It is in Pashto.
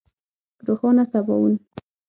روښانه سباوون